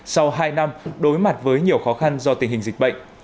sau hai năm đối mặt với nhiều khó khăn do tình hình dịch bệnh